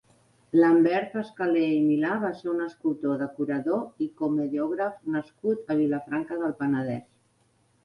Lambert Escaler i Milà va ser un escultor, decorador i comediògraf nascut a Vilafranca del Penedès.